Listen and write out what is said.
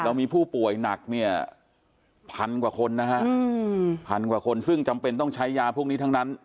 เรามีผู้ป่วยหนัก๑๐๐๐กว่าคนซึ่งจำเป็นต้องใช้ยาพวกนี้ทั้งนั้น